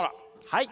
はい。